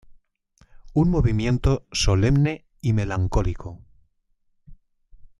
Un movimiento solemne y melancólico.